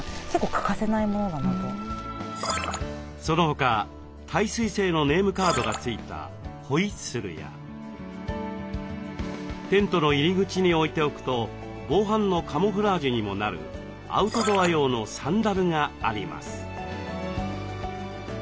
その他耐水性のネームカードが付いたホイッスルやテントの入り口に置いておくと防犯のカモフラージュにもなるアウトドア用のサンダルがあります。